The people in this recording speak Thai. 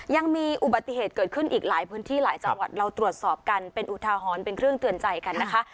ยังมีอุบัติเหตุเกิดขึ้นอีกหลายพื้นที่หลายจังหวัดเราตรวจสอบกันเป็นอุทาหรณ์เป็นเครื่องเตือนใจกันนะคะ